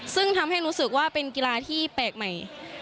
ซึ่งทำให้รู้สึกว่าเป็นกีฬาที่แปลกใหม่